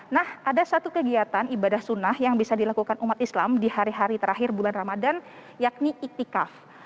nah ada satu kegiatan ibadah sunnah yang bisa dilakukan umat islam di hari hari terakhir bulan ramadan yakni iktikaf